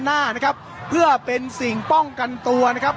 หน้านะครับเพื่อเป็นสิ่งป้องกันตัวนะครับ